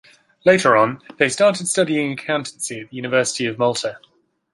Later on, they started studying Accountancy in the University of Malta.